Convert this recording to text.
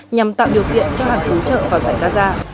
nhằm tạo điều kiện cho hàng viện trận vào giải gaza